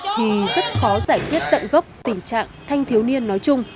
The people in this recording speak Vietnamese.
thì rất khó giải quyết tận gốc tình trạng thanh thiếu niên nói chung